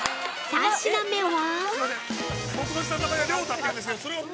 ◆３品目は。